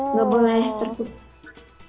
nggak boleh terbuka